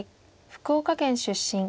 福岡県出身。